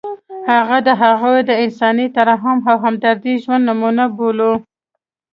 هغه د هغوی د انساني ترحم او همدردۍ ژوندۍ نمونه بولو.